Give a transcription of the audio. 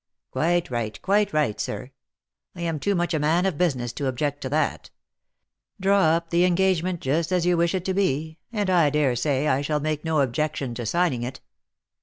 " Quite right, quite right, sir. I am too much a man of business to object to that. Draw up the engagement, such as you wish it to be, and I dare say I shall make no objection to signing it."